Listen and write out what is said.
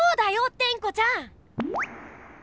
テンコちゃん！